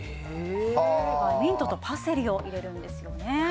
ミントとパセリを入れるんですよね。